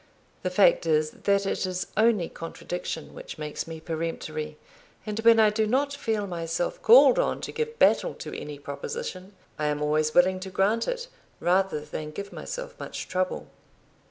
The fact is, that it is only contradiction which makes me peremptory, and when I do not feel myself called on to give battle to any proposition, I am always willing to grant it, rather than give myself much trouble.